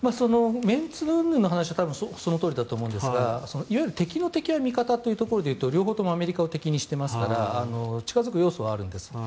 メンツうんぬんの話はそのとおりだと思うんですが敵の敵は味方ということでいうと両方ともアメリカを敵にしていますから近付く要素はあるんです。